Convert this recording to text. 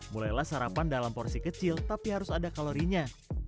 mulailah sarapan dalam porsi kecil tapi harus ada kalorinya